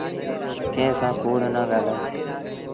ڪݩهݩ سآݩ ڪوڙ نا ڳآلآئو۔